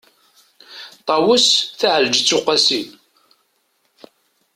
ṭawes taεelǧeţ uqasi